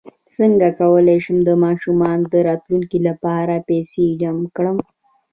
څنګ کولی شم د ماشومانو د راتلونکي لپاره پیسې جمع کړم